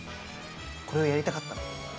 これをやりたかったの。